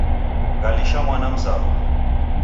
Ghalisha mwana mzaw'o